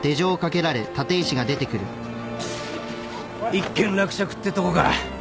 一件落着ってとこか。